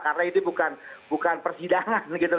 karena itu bukan persidangan gitu